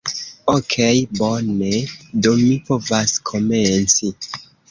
Okej bone, do mi povas komenci